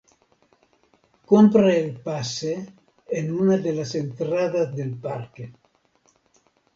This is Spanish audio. Compre el pase en una de las entradas del parque.